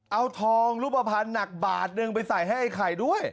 เอาทองรูปภัณฑ์หนักบาทหนึ่งไปใส่ให้ไอ้ไข่ด้วย